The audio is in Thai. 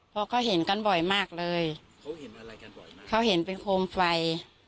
เพราะเขาเห็นกันบ่อยมากเลยเขาเห็นเป็นโคมไฟ